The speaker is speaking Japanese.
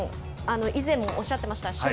以前おっしゃってました。